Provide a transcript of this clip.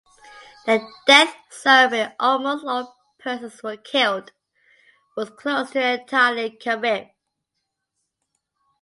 The death zone, where almost all persons were killed, was close to entirely Carib.